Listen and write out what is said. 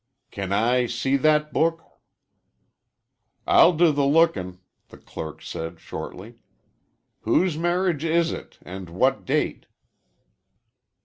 "Can I see that book?" "I'll do the lookin'," the clerk said shortly. "Whose marriage is it? And what date?"